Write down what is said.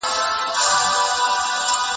دیني ارزښتونه د انساني فطرت په اساس رامنځته کيږي